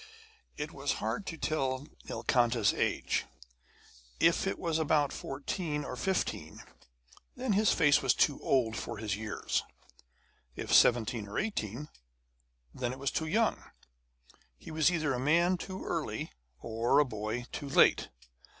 It was hard to tell Nilkanta's age. If it was about fourteen or fifteen, then his face was too old for his years; if seventeen or eighteen, then it was too young. He was either a man too early or a boy too late.